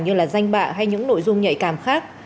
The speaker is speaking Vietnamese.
như là danh bạ hay những nội dung nhạy cảm khác